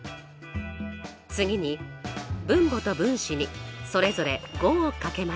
次に分母と分子にそれぞれ５を掛けました。